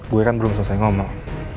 gue kan belum selesai ngomong